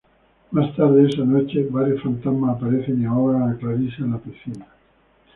Más tarde esa noche, varios fantasmas aparecen y ahogan a Clarissa en la piscina.